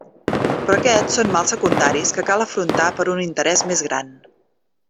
Però aquests són mals secundaris que cal afrontar per un interès més gran.